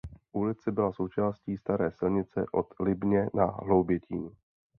Ulice byla součástí staré silnice od Libně na Hloubětín.